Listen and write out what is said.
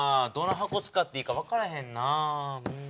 どの箱使っていいか分からへんなあ。